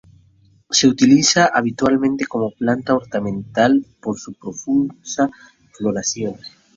Se utiliza habitualmente como planta ornamental por su profusa floración.